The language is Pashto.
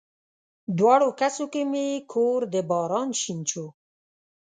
دواړو کسو کې مې کور د باران شین شو